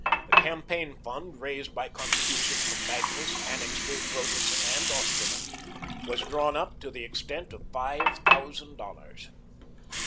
The campaign fund raised by contributions from Magnus, Annixter, Broderson, and Osterman was drawn upon to the extent of five thousand dollars.